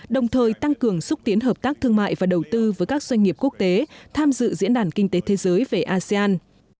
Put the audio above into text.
đồng thời tăng cường xúc tiến hợp tác thương mại và đầu tư với các doanh nghiệp quốc tế tham dự diễn đàn kinh tế thế giới về asean